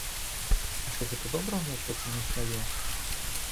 А што гэта добра ўмешвацца не ў сваё?